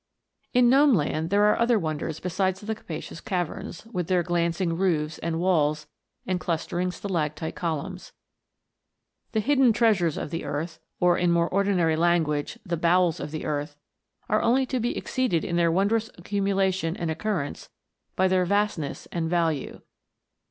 In Gnome land there are other wonders besides the capacious caverns, with their glancing roofs and walls and cluster ing stalactite columns. The hidden treasures of the earth or, in more ordinary language, " the bowels of the earth" are only to be exceeded in their wondrous accumulation and occurrence by their vastness and value.